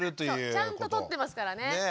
そうちゃんと取ってますからね。